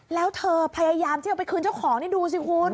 แล้วเธอพยายามที่เอาไปคืนเจ้าของนี่ดูสิคุณ